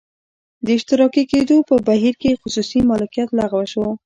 د اشتراکي کېدو په بهیر کې خصوصي مالکیت لغوه شو